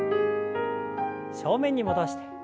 正面に戻して。